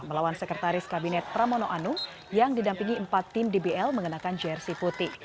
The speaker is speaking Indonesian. melawan sekretaris kabinet pramono anung yang didampingi empat tim dbl mengenakan jersi putih